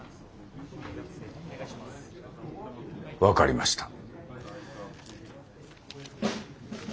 分かりました。